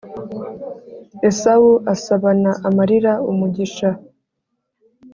Esawu asabana amarira umugisha.